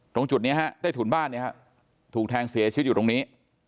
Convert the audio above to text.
ตรงจุดนี้ฮะใต้ถุนบ้านเนี่ยฮะถูกแทงเสียชีวิตอยู่ตรงนี้